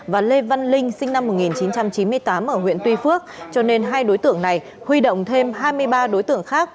và lê văn linh sinh năm một nghìn chín trăm chín mươi tám ở huyện tuy phước cho nên hai đối tượng này huy động thêm hai mươi ba đối tượng khác